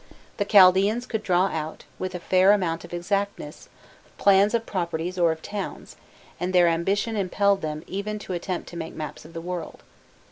The Chaldaeans could draw out, with a fair amount of exactness, plans of properties or of towns, and their ambition impelled them even to attempt to make maps of the world.